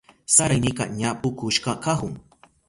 Saraynika ña pukushka kahun.